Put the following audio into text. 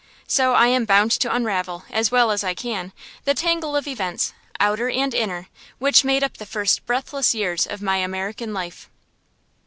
So I am bound to unravel, as well as I can, the tangle of events, outer and inner, which made up the first breathless years of my American life.